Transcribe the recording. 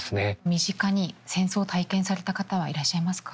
身近に戦争を体験された方はいらっしゃいますか？